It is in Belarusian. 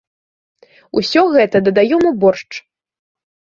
Усё гэта дадаём у боршч.